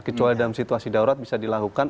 kecuali dalam situasi darurat bisa dilakukan